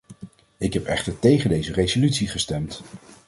Ik heb echter tegen deze resolutie gestemd.